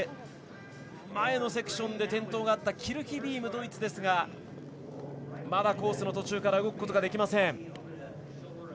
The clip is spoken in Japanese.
前のセクションで転倒があったドイツのキルヒビームですがまだコースの途中から動くことができません。